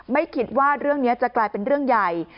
ไม่คิดว่าเรื่องนี้จะกลายเป็นเรื่องใหญ่